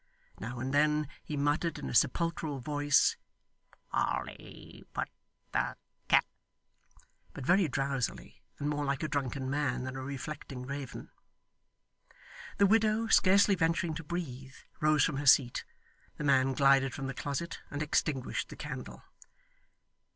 Now and then he muttered in a sepulchral voice, 'Polly put the ket ' but very drowsily, and more like a drunken man than a reflecting raven. The widow, scarcely venturing to breathe, rose from her seat. The man glided from the closet, and extinguished the candle.